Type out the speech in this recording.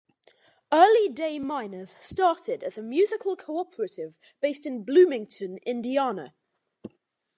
Early Day Miners started as a 'musical-cooperative' based in Bloomington, Indiana.